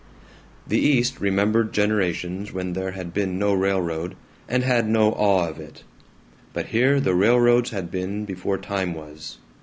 The East remembered generations when there had been no railroad, and had no awe of it; but here the railroads had been before time was.